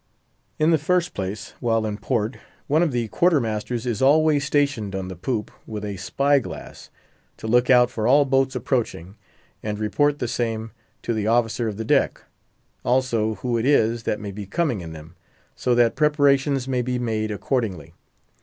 In the first place, while in port, one of the quarter masters is always stationed on the poop with a spy glass, to look out for all boats approaching, and report the same to the officer of the deck; also, who it is that may be coming in them; so that preparations may be made accordingly.